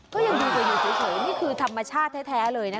ก็ยังดูกันอยู่เฉยนี่คือธรรมชาติแท้เลยนะคะ